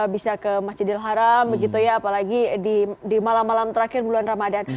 bisa ke masjid al haram apalagi di malam malam terakhir bulan ramadhan